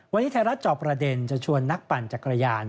วันนี้ไทยรัฐจอบประเด็นจะชวนนักปั่นจักรยาน